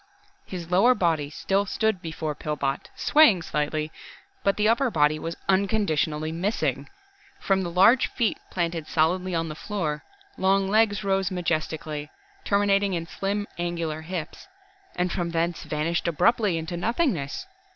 His lower body still stood before Pillbot, swaying slightly, but the upper body was unconditionally missing. From the large feet planted solidly on the floor, long legs rose majestically, terminating in slim, angular hips and from thence vanished abruptly into nothingness.